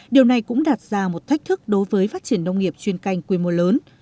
điều này cũng đặt ra một thách thức đối với phát triển nông nghiệp chuyên canh quy mô lớn